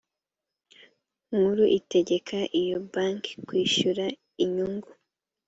nkuru itegeka iyo banki kwishyuza inyungu